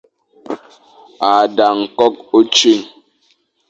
A dang nkok, ochuin.